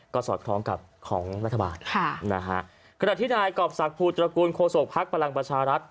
ก็สอดคล้องกับของรัฐบาลขณะที่นายกรอบสักผู้ตระกูลโคโศกพักพลังประชารัฐ